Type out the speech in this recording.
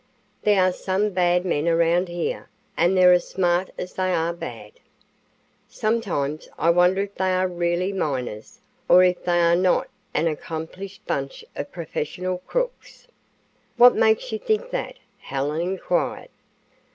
There are some bad men around here, and they're as smart as they are bad. Sometimes I wonder if they are really miners, or if they are not an accomplished bunch of professional crooks." "What makes you think that?" Helen inquired.